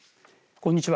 こんにちは。